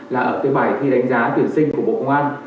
là ở cái bài thi đánh giá tuyển sinh của bộ công an